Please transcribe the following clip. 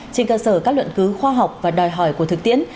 trên cơ sở các luận cứu khoa học và đòi hỏi của thực tiễn